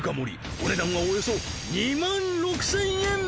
お値段はおよそ２万６０００円！